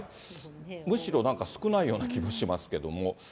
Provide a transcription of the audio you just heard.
むしろなんか少ないような気もしますけども。